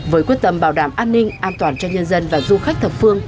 với quyết tâm bảo đảm an ninh an toàn cho nhân dân và du khách thập phương